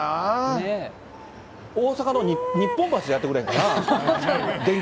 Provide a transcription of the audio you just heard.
大阪の日本橋でやってくれへんかな。